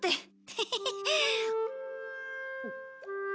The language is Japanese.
ヘヘヘヘ。